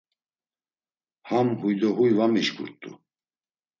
Ham huy do huy va mişǩurt̆u.